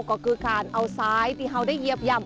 ก็คือการเอาซ้ายตีเฮาได้เหยียบย่ำ